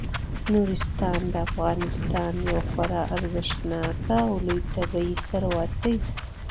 نورستان د افغانستان یو خورا ارزښتناک او لوی طبعي ثروت دی.